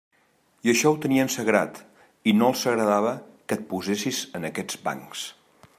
I això ho tenien sagrat, i no els agradava que et posessis en aquests bancs.